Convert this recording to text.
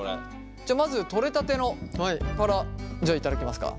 じゃまずとれたてのから頂きますか。